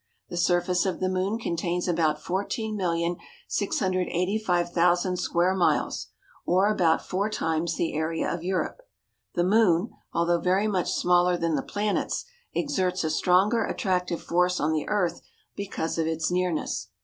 The surface of the moon contains about 14,685,000 square miles, or about four times the area of Europe. The moon, although very much smaller than the planets, exerts a stronger attractive force on the earth because of its nearness.